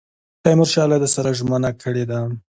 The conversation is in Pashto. تیمورشاه له ده سره ژمنه کړې ده.